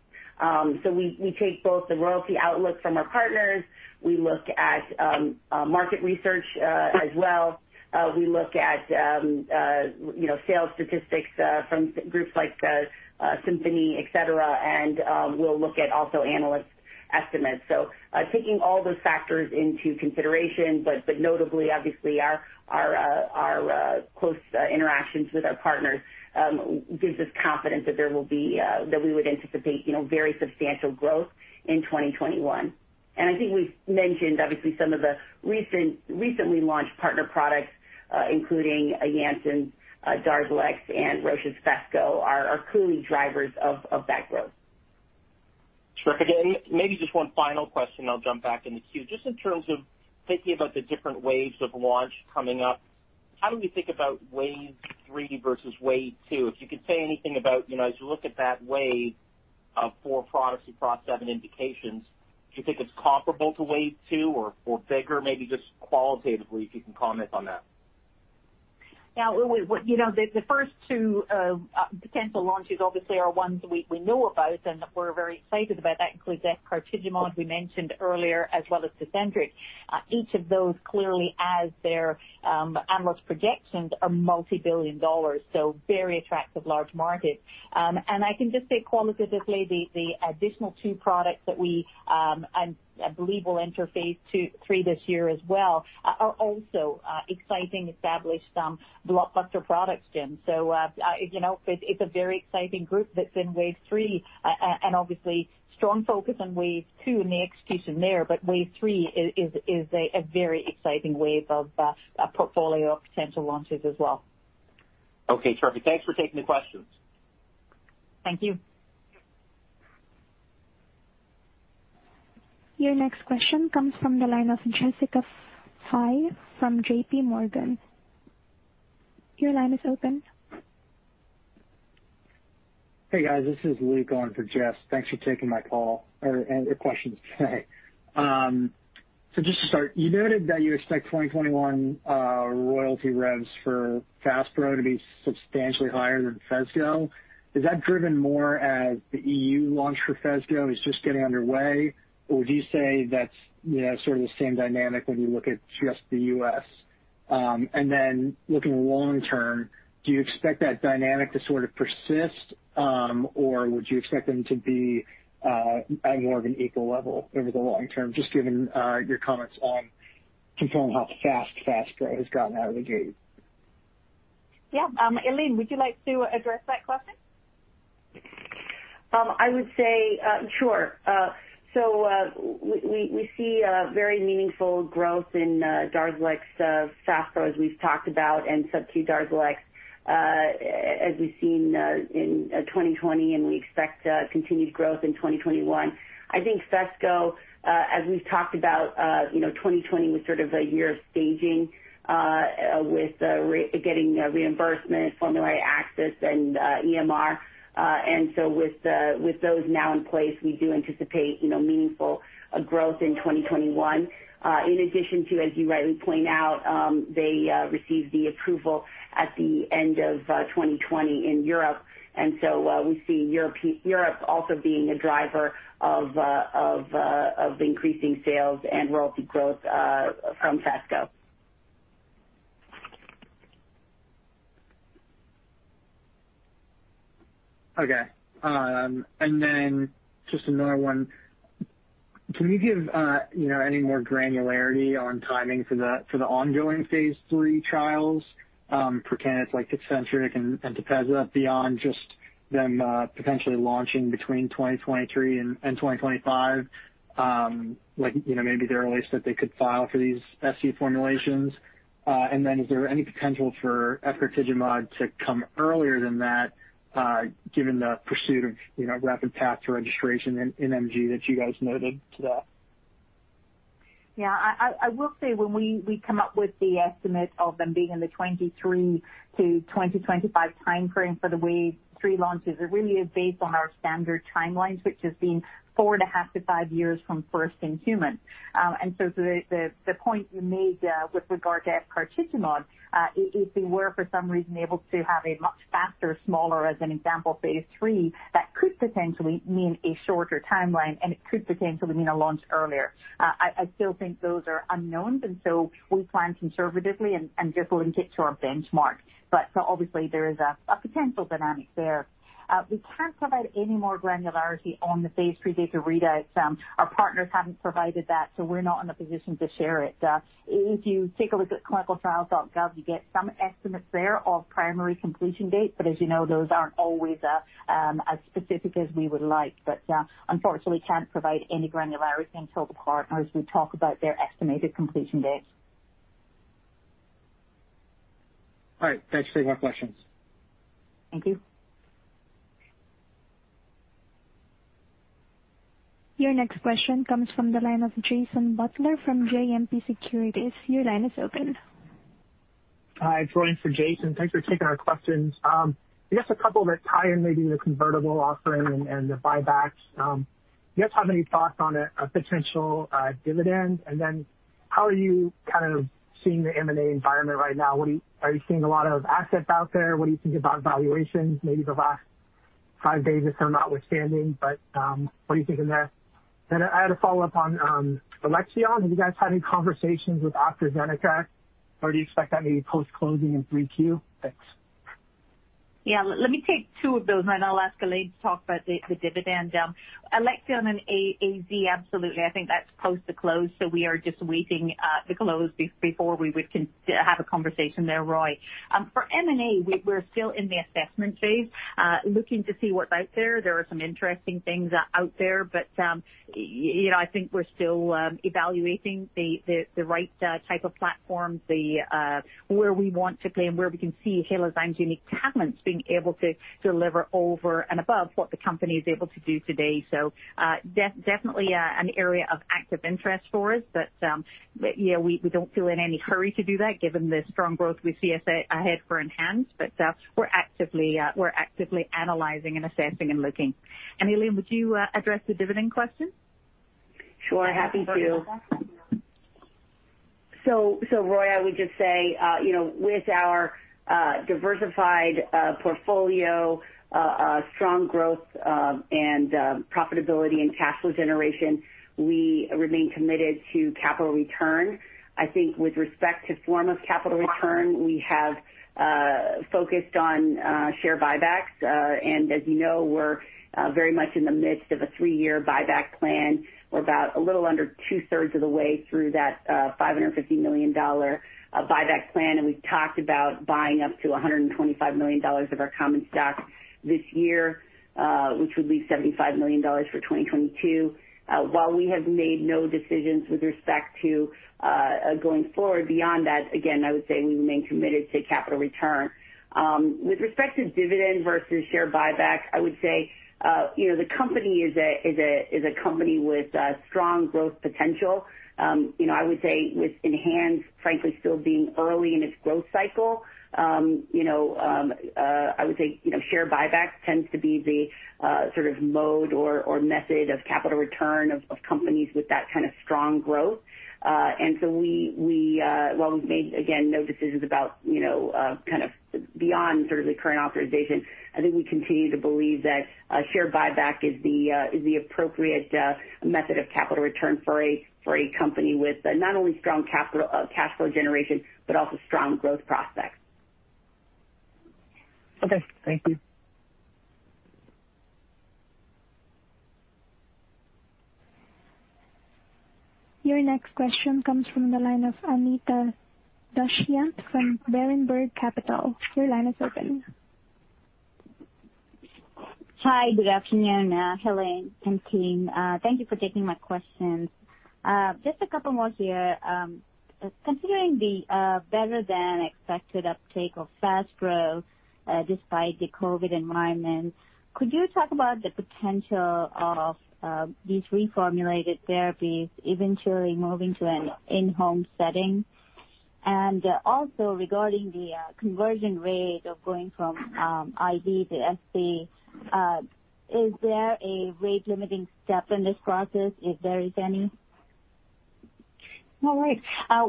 So we take both the royalty outlook from our partners. We look at market research as well. We look at sales statistics from groups like Symphony, etc. And we'll look at also analyst estimates. So taking all those factors into consideration, but notably, obviously, our close interactions with our partners gives us confidence that we would anticipate very substantial growth in 2021. And I think we've mentioned, obviously, some of the recently launched partner products, including Janssen, Darzalex, and Roche's Phesgo, are clearly drivers of that growth. Terrific. Maybe just one final question. I'll jump back in the queue. Just in terms of thinking about the different waves of launch coming up, how do we think about Wave 3 versus Wave 2? If you could say anything about, as you look at that wave of four products across seven indications, do you think it's comparable to Wave 2 or bigger? Maybe just qualitatively, if you can comment on that. Yeah, the first two potential launches obviously are ones we know about and we're very excited about. That includes that efgartigimod we mentioned earlier, as well as Tecentriq. Each of those, clearly, as their analyst projections, are multi-billion dollars. So very attractive large markets. And I can just say qualitatively, the additional two products that we believe will enter Phase III this year as well are also exciting, established blockbuster products, Jim. So it's a very exciting group that's in Wave 3. And obviously, strong focus on Wave 2 and the execution there. But Wave 3 is a very exciting wave of portfolio of potential launches as well. Okay, terrific. Thanks for taking the questions. Thank you. Your next question comes from the line of Jessica Fye from JPMorgan. Your line is open. Hey guys, this is Luke on for Jess. Thanks for taking my call or questions today. So just to start, you noted that you expect 2021 royalty revs for Faspro to be substantially higher than Phesgo. Is that driven more as the EU launch for Phesgo is just getting underway? Or would you say that's sort of the same dynamic when you look at just the U.S.? And then looking long-term, do you expect that dynamic to sort of persist? Or would you expect them to be at more of an equal level over the long-term? Just given your comments on confirming how fast Faspro has gotten out of the gate. Yeah, Elaine, would you like to address that question? I would say, sure. So we see very meaningful growth in Darzalex Faspro, as we've talked about, and SubQ Darzalex, as we've seen in 2020. And we expect continued growth in 2021. I think Phesgo, as we've talked about, 2020 was sort of a year of staging with getting reimbursement, formulary access, and EMR. And so with those now in place, we do anticipate meaningful growth in 2021. In addition to, as you rightly point out, they received the approval at the end of 2020 in Europe. And so we see Europe also being a driver of increasing sales and royalty growth from Phesgo. Okay. And then just another one. Can you give any more granularity on timing for the ongoing Phase III trials? Pretend it's like Tecentriq and Tepezza beyond just them potentially launching between 2023 and 2025. Maybe the earliest that they could file for these SC formulations. And then is there any potential for efgartigimod to come earlier than that, given the pursuit of rapid path to registration in MG that you guys noted today? Yeah, I will say when we come up with the estimate of them being in the 2023-2025 timeframe for the Wave 3 launches, it really is based on our standard timelines, which has been four and a half to five years from first in human. And so the point you made with regard to efgartigimod, if they were for some reason able to have a much faster, smaller, as an example, Phase III, that could potentially mean a shorter timeline. And it could potentially mean a launch earlier. I still think those are unknown. And so we plan conservatively and just link it to our benchmark. But obviously, there is a potential dynamic there. We can't provide any more granularity on the Phase III data readouts. Our partners haven't provided that. So we're not in a position to share it. If you take a look at clinicaltrials.gov, you get some estimates there of primary completion dates. But as you know, those aren't always as specific as we would like. But unfortunately, can't provide any granularity until the partners we talk about their estimated completion dates. All right, thanks. Those are my questions. Thank you. Our next question comes from the line of Jason Butler from JMP Securities. Your line is open. Hi, it's Roy for Jason. Thanks for taking our questions. I guess a couple that tie in maybe the convertible offering and the buybacks. Do you guys have any thoughts on a potential dividend? And then how are you kind of seeing the M&A environment right now? Are you seeing a lot of assets out there? What do you think about valuations? Maybe the last five days notwithstanding. But what do you think in there? And I had a follow-up on Alexion. Have you guys had any conversations with AstraZeneca? Or do you expect that maybe post-closing in 3Q? Thanks. Yeah, let me take two of those. And then I'll ask Elaine to talk about the dividend. Alexion and AZ, absolutely. I think that's post-close. So we are just waiting to close before we would have a conversation there, Roy. For M&A, we're still in the assessment phase, looking to see what's out there. There are some interesting things out there. But I think we're still evaluating the right type of platform, where we want to play, and where we can see Halo's unique talents being able to deliver over and above what the company is able to do today. So definitely an area of active interest for us. But yeah, we don't feel in any hurry to do that, given the strong growth we see ahead for ENHANZE. But we're actively analyzing and assessing and looking. And Elaine, would you address the dividend question? Sure, happy to. So Roy, I would just say, with our diversified portfolio, strong growth, and profitability, and cash flow generation, we remain committed to capital return. I think with respect to form of capital return, we have focused on share buybacks. And as you know, we're very much in the midst of a three-year buyback plan. We're about a little under 2/3 of the way through that $550 million buyback plan, and we've talked about buying up to $125 million of our common stock this year, which would be $75 million for 2022. While we have made no decisions with respect to going forward beyond that, again, I would say we remain committed to capital return. With respect to dividend versus share buyback, I would say the company is a company with strong growth potential. I would say with ENHANZE, frankly, still being early in its growth cycle, I would say share buyback tends to be the sort of mode or method of capital return of companies with that kind of strong growth. And so while we've made, again, no decisions about kind of beyond sort of the current authorization, I think we continue to believe that share buyback is the appropriate method of capital return for a company with not only strong cash flow generation, but also strong growth prospects. Okay, thank you. Your next question comes from the line of Anita Dushyanth from Berenberg Capital Markets. Your line is open. Hi, good afternoon, Helen and team. Thank you for taking my questions. Just a couple more here. Considering the better than expected uptake of Darzalex Faspro despite the COVID environment, could you talk about the potential of these reformulated therapies eventually moving to an in-home setting? And also regarding the conversion rate of going from IV to SC, is there a rate-limiting step in this process, if there is any? All right.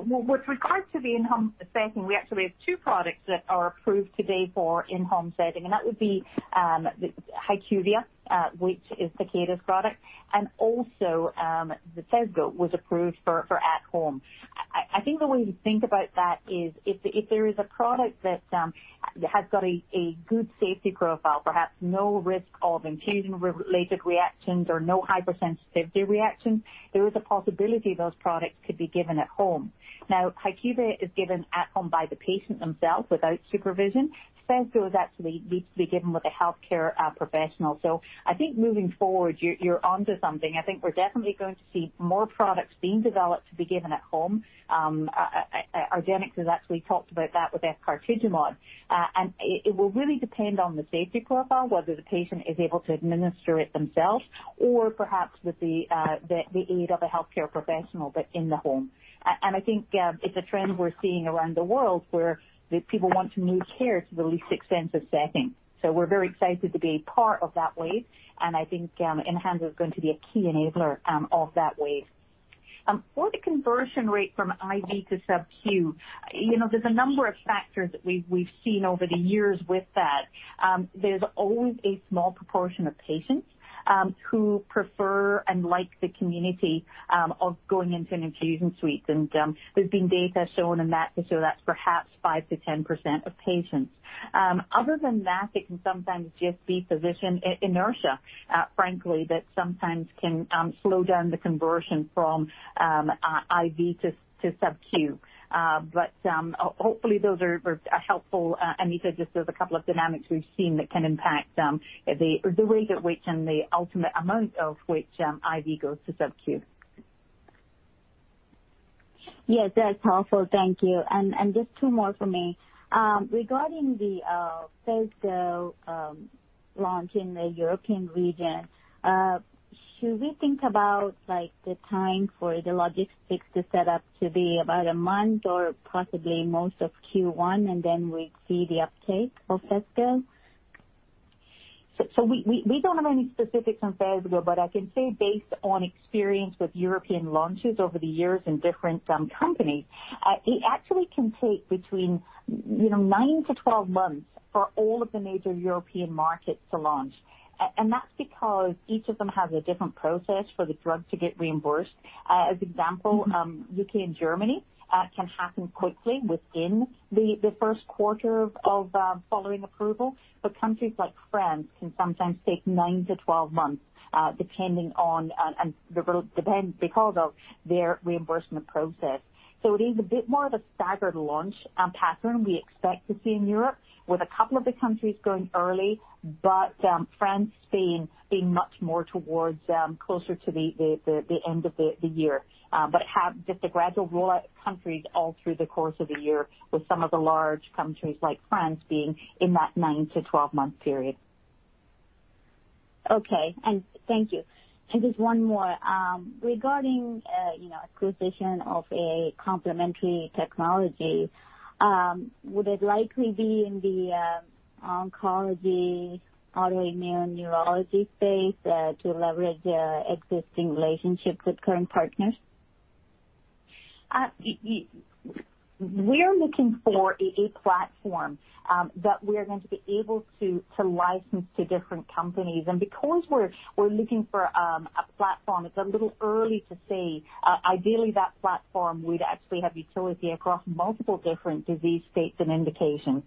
With regard to the in-home setting, we actually have two products that are approved today for in-home setting. That would be HyQvia, which is Takeda's product. Also the Phesgo was approved for at-home. I think the way to think about that is if there is a product that has got a good safety profile, perhaps no risk of infusion-related reactions or no hypersensitivity reactions, there is a possibility those products could be given at home. Now, HyQvia is given at-home by the patient themselves without supervision. Phesgo actually needs to be given with a healthcare professional. I think moving forward, you're onto something. I think we're definitely going to see more products being developed to be given at home. Argenx has actually talked about that with efgartigimod. It will really depend on the safety profile, whether the patient is able to administer it themselves or perhaps with the aid of a healthcare professional, but in the home. I think it's a trend we're seeing around the world where people want to move care to the least expensive setting. We're very excited to be part of that wave. I think ENHANZE is going to be a key enabler of that wave. For the conversion rate from IV to SubQ, there's a number of factors that we've seen over the years with that. There's always a small proportion of patients who prefer and like the community of going into an infusion suite. There's been data shown in that to show that's perhaps 5%-10% of patients. Other than that, it can sometimes just be physician inertia, frankly, that sometimes can slow down the conversion from IV to SubQ. But hopefully, those are helpful. Anita just has a couple of dynamics we've seen that can impact the rate at which and the ultimate amount of which IV goes to SubQ. Yes, that's helpful. Thank you. And just two more for me. Regarding the Phesgo launch in the European region, should we think about the time for the logistics to set up to be about a month or possibly most of Q1, and then we'd see the uptake of Phesgo? So we don't have any specifics on Phesgo. But I can say based on experience with European launches over the years in different companies, it actually can take between 9-12 months for all of the major European markets to launch. That's because each of them has a different process for the drug to get reimbursed. As an example, U.K. and Germany can happen quickly within the first quarter of following approval. But countries like France can sometimes take 9-12 months depending on the reimbursement process. So it is a bit more of a staggered launch pattern we expect to see in Europe, with a couple of the countries going early, but France, Spain being much more towards closer to the end of the year. But just a gradual rollout of countries all through the course of the year, with some of the large countries like France being in that 9-12-month period. Okay, and thank you. And just one more. Regarding acquisition of a complementary technology, would it likely be in the oncology, autoimmune, neurology space to leverage existing relationships with current partners? We are looking for a platform that we are going to be able to license to different companies. And because we're looking for a platform, it's a little early to say. Ideally, that platform would actually have utility across multiple different disease states and indications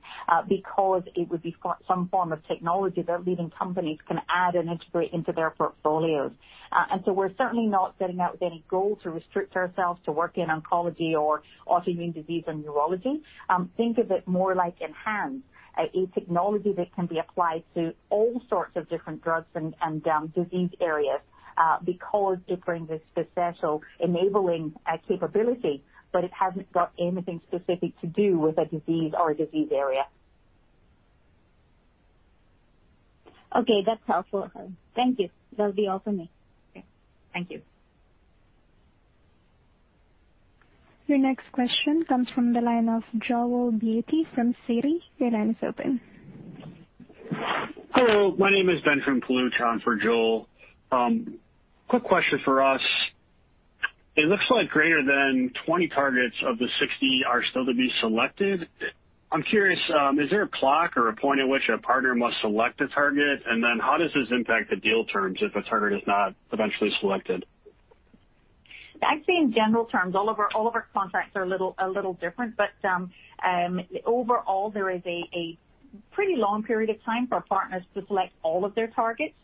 because it would be some form of technology that leading companies can add and integrate into their portfolios. And so we're certainly not setting out with any goal to restrict ourselves to work in oncology or autoimmune disease or neurology. Think of it more like ENHANZE, a technology that can be applied to all sorts of different drugs and disease areas because it brings a special enabling capability, but it hasn't got anything specific to do with a disease or a disease area. Okay, that's helpful. Thank you. That'll be all for me. Thank you. Your next question comes from the line of Joel Beatty from Citigroup. Your line is open. Hello, my name is Benjamin Paluch on for Joel. Quick question for you. It looks like greater than 20 targets of the 60 are still to be selected. I'm curious, is there a clock or a point at which a partner must select a target? And then how does this impact the deal terms if a target is not eventually selected? Actually, in general terms, all of our contracts are a little different. But overall, there is a pretty long period of time for partners to select all of their targets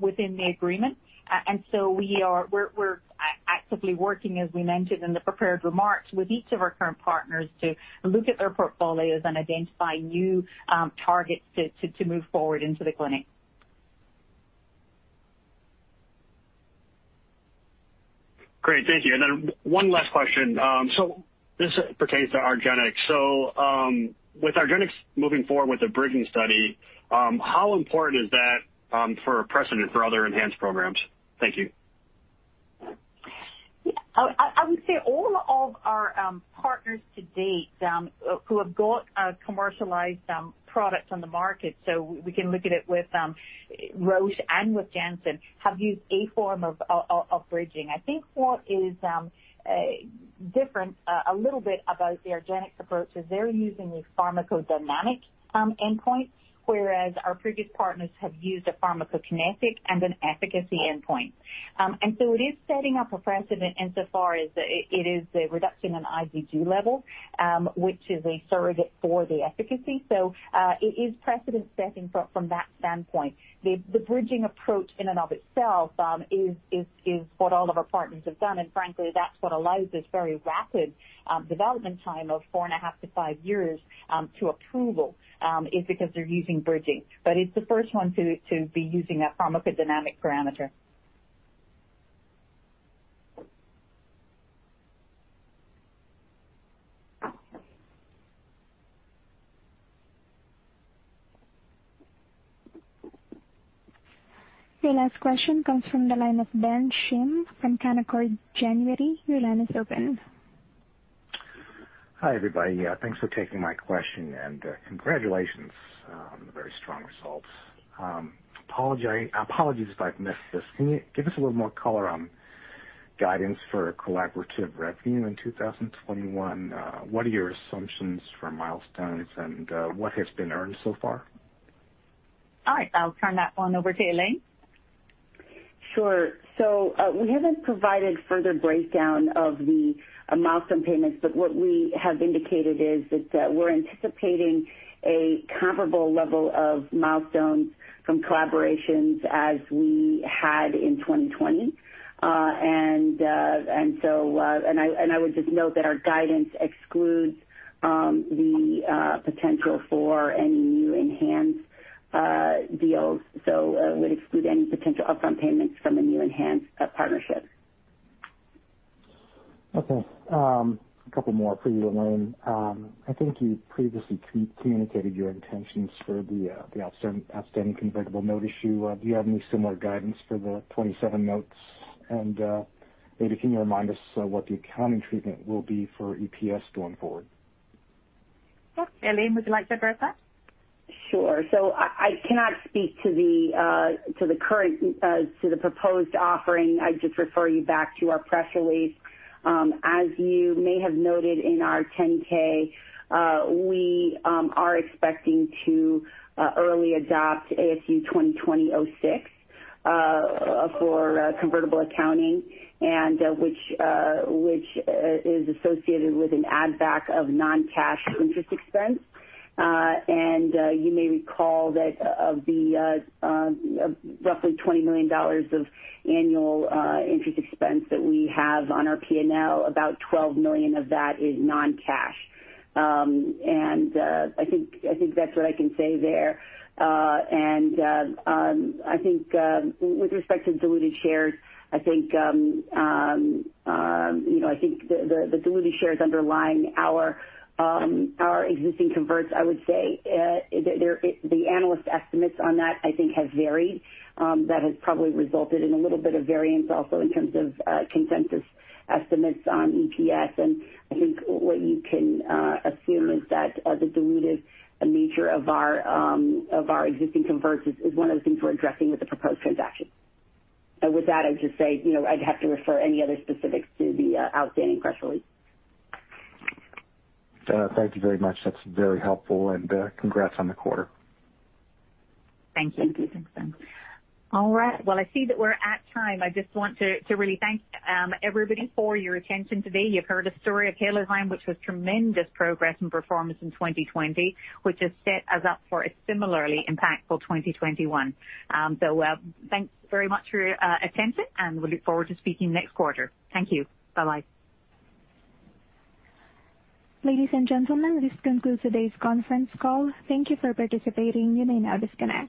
within the agreement. And so we're actively working, as we mentioned in the prepared remarks, with each of our current partners to look at their portfolios and identify new targets to move forward into the clinic. Great, thank you. Then one last question. So this pertains to Argenx. So with Argenx moving forward with the bridging study, how important is that for a precedent for other ENHANZE programs? Thank you. I would say all of our partners to date who have got commercialized products on the market, so we can look at it with Roche and with Janssen, have used a form of bridging. I think what is different a little bit about the Argenx approach is they're using a pharmacodynamic endpoint, whereas our previous partners have used a pharmacokinetic and an efficacy endpoint. And so it is setting up a precedent insofar as it is the reduction in IgG level, which is a surrogate for the efficacy. So it is precedent-setting from that standpoint. The bridging approach in and of itself is what all of our partners have done. And frankly, that's what allows this very rapid development time of four and a half to five years to approval, is because they're using bridging. But it's the first one to be using a pharmacodynamic parameter. Your last question comes from the line of Ben Shim from Canaccord Genuity. Your line is open. Hi everybody. Thanks for taking my question. And congratulations on the very strong results. Apologies if I've missed this. Can you give us a little more color on guidance for collaboration revenue in 2021? What are your assumptions for milestones and what has been earned so far? All right, I'll turn that one over to Elaine. Sure. So we haven't provided further breakdown of the milestone payments, but what we have indicated is that we're anticipating a comparable level of milestones from collaborations as we had in 2020. And so I would just note that our guidance excludes the potential for any new ENHANZE deals. So it would exclude any potential upfront payments from a new ENHANZE partnership. Okay, a couple more for you, Elaine. I think you previously communicated your intentions for the outstanding convertible note issue. Do you have any similar guidance for the 2027 notes? And maybe can you remind us what the accounting treatment will be for EPS going forward? Yes, Elaine, would you like to address that? Sure. So I cannot speak to the current, to the proposed offering. I just refer you back to our press release. As you may have noted in our 10-K, we are expecting to early adopt ASU 2020-06 for convertible accounting, which is associated with an add-back of non-cash interest expense. And you may recall that of the roughly $20 million of annual interest expense that we have on our P&L, about $12 million of that is non-cash. And I think that's what I can say there. And I think with respect to diluted shares, I think the diluted shares underlying our existing converts, I would say the analyst estimates on that, I think, have varied. That has probably resulted in a little bit of variance also in terms of consensus estimates on EPS. And I think what you can assume is that the diluted nature of our existing converts is one of the things we're addressing with the proposed transaction. And with that, I'd just say I'd have to refer any other specifics to the outstanding press release. Thank you very much. That's very helpful. And congrats on the quarter. Thank you. Thank you. Thanks, Ben. All right. Well, I see that we're at time. I just want to really thank everybody for your attention today. You've heard a story of Halozyme, which was tremendous progress and performance in 2020, which has set us up for a similarly impactful 2021. So thanks very much for your attention, and we look forward to speaking next quarter. Thank you. Bye-bye. Ladies and gentlemen, this concludes today's conference call. Thank you for participating. You may now disconnect.